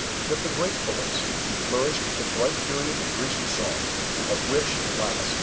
If the great poets, who flourished at the bright period of Grecian song, of which, alas!